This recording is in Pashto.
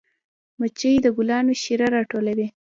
مچۍ د ګلانو شیره راټولوي